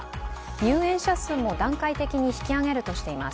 入園者数も段階的に引き上げるとしています。